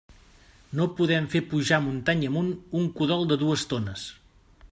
No podem fer pujar muntanya amunt un cudol de dues tones.